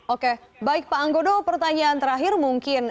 oke baik pak anggono pertanyaan terakhir mungkin